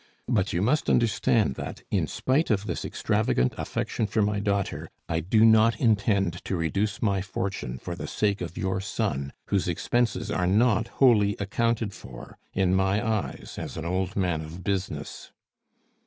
But you must understand that, in spite of this extravagant affection for my daughter, I do not intend to reduce my fortune for the sake of your son, whose expenses are not wholly accounted for in my eyes, as an old man of business."